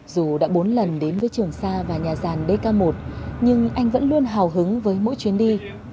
dù đã bốn lần đến với trường sa và nhà gian dk một nhưng anh vẫn luôn hào hứng với mỗi chuyến đi